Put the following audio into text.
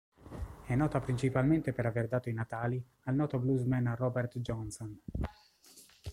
È nota principalmente per aver dato i natali al noto bluesman Robert Johnson.